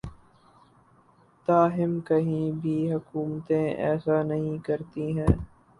تاہم کہیں بھی حکومتیں ایسا نہیں کرتیں کہ